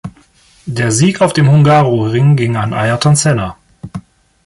Der Sieg auf dem Hungaroring ging an Ayrton Senna.